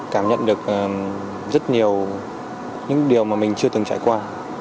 cảm nhận được rất nhiều những điều mà mình chưa từng trải qua